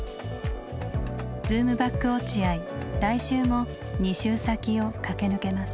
「ズームバック×オチアイ」来週も２周先を駆け抜けます。